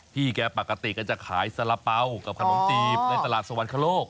พี่แกปกติก็จะขายสาระเป๋ากับขนมจีบในตลาดสวรรคโลก